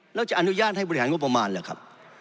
แล้วจะอนุญาตให้บริหารงบประมาณเหรอครับ